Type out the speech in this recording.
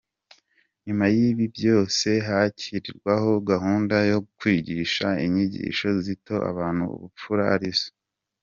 Nyuma y’ibyo ibyose hashyirwaho gahunda yo kwigisha inyigisho zitoza abantu ubupfura arizo: